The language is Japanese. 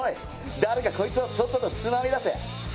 誰かこいつをとっととつまみ出せ！